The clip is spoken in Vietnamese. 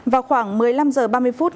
vào khoảng một mươi năm h ba mươi phút